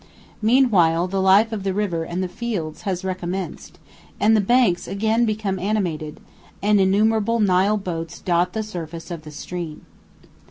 Meanwhile the life of the river and the fields has recommenced, and the banks again become animated, and innumerable Nile boats dot the surface of the stream.